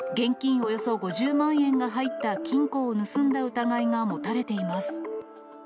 およそ５０万円が入った金庫を盗んだ疑いが持たれています。